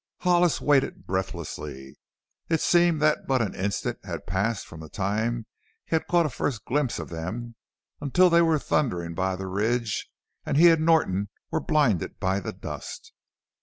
Hollis waited breathlessly. It seemed that but an instant had passed from the time he had caught a first glimpse of them until they were thundering by the ridge and he and Norton were blinded by the dust.